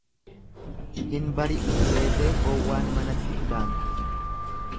Hin bari'u seetee gowwaan manatti udaante.